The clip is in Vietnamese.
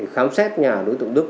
khám xét nhà đối tượng đức